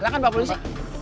silahkan pak polisi